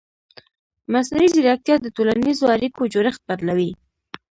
مصنوعي ځیرکتیا د ټولنیزو اړیکو جوړښت بدلوي.